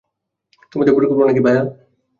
তোমাদের পরিকল্পনা কী, ভায়া?